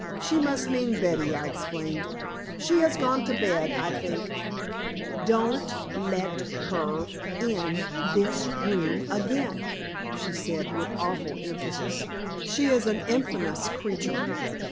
"She must mean Betty," I explained. "She has gone to bed, I think." "Don't let her in this room again," she said, with awful emphasis. "She is an infamous creature."